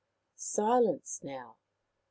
" Silence now !